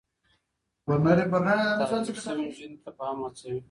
تعليم شوې نجونې تفاهم هڅوي.